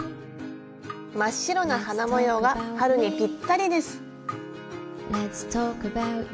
真っ白な花模様が春にぴったりです。